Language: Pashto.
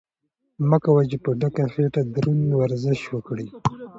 مه کوه چې په ډکه خېټه دروند ورزش وکړې.